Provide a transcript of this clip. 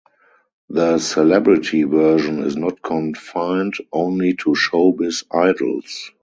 The celebrity version is not confined only to showbiz idols.